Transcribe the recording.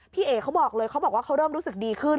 พี่เอ๋เขาบอกเลยเขาเริ่มรู้สึกดีขึ้น